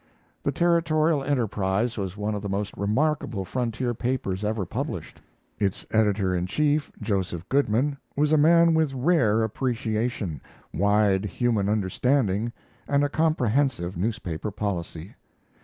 The Territorial Enterprise was one of the most remarkable frontier papers ever published. Its editor in chief, Joseph Goodman, was a man with rare appreciation, wide human understanding, and a comprehensive newspaper policy.